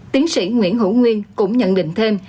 tiến sĩ nguyễn hữu nguyên cũng nhận định thêm